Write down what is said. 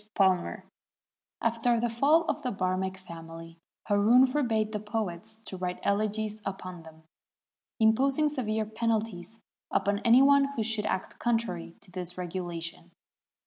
PALMER After the fall of the Bannek family, Haroun forbade the poets to write elegies upon them, imposing severe penalties upon any one who should act contrary to this regulation.